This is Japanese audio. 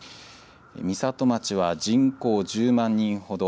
美里町は、人口１０万人ほど。